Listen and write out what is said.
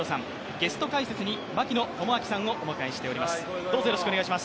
ゲスト解説に槙野智章さんをお迎えしております。